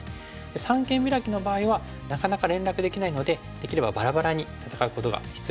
三間ビラキの場合はなかなか連絡できないのでできればバラバラに戦うことが必要になってきます。